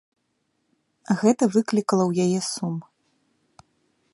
Гэта выклікала ў яе сум.